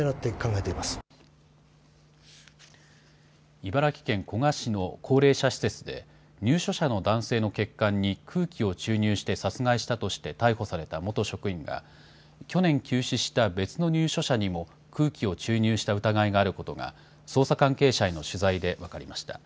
茨城県古河市の高齢者施設で、入所者の男性の血管に空気を注入して殺害したとして逮捕された元職員が、去年急死した別の入所者にも空気を注入した疑いがあることが、捜査関係者への取材で分かりました。